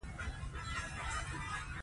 باز د قدرت ښکلی مثال دی